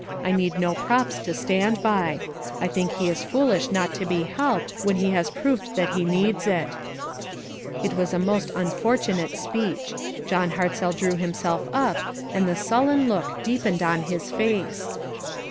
I need no props to stand by. I think he is foolish not to be helped, when he has proved that he needs it." It was a most unfortunate speech. John Hartzell drew himself up, and the sullen look deepened on his face.